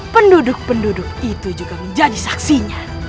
penduduk penduduk itu juga menjadi saksinya